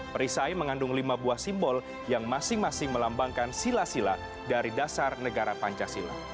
perisai mengandung lima buah simbol yang masing masing melambangkan sila sila dari dasar negara pancasila